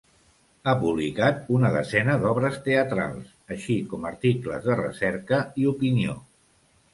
Ha publicat una desena d'obres teatrals, així com articles de recerca i opinió.